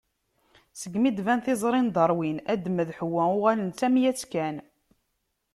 Segmi d-tban tiẓri n Darwin, Adem d Ḥewwa uɣalen d tamayt kan.